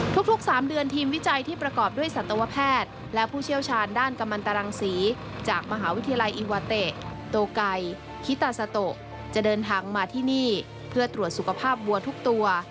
ทุก๓เดือนทีมวิจัยที่ประกอบด้วยสัตวแพทย์และผู้เชี่ยวชาญด้านกำมันตรังศรีจากมหาวิทยาลัยอีวาเตะโตไกคิตาซาโตะจะเดินทางมาที่นี่เพื่อตรวจสุขภาพวัวทุกตัว